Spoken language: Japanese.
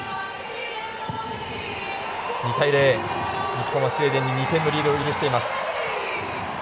日本はスウェーデンに２点のリードを許しています。